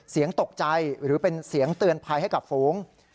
เสียงตกใจหรือเป็นเสียงเตือนภัยให้กับฝูง